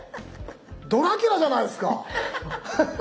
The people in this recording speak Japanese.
ドラキュラじゃないすか！